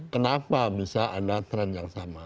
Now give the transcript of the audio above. kenapa bisa ada tren yang sama